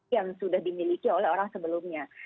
yang sudah dimiliki oleh orang sebelumnya